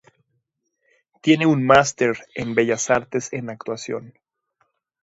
Tiene un Máster en Bellas Artes en actuación.